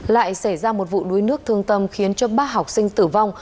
lại xảy ra một vụ đuối nước thương tâm khiến cho ba học sinh tử vong